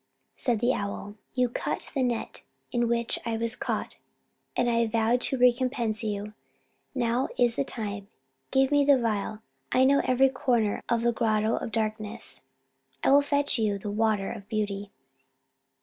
Said the owl: "You cut the net in which I was caught, and I vowed to recompense you. Now is the time. Give me the phial: I know every corner of the Grotto of Darkness I will fetch you the water of beauty."